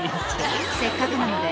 せっかくなので